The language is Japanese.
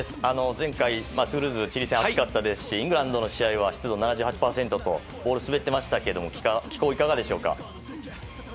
前回、チリ戦熱かったですしイングランドの試合は湿度７８％とボールが滑ってましたが気候はどうですか。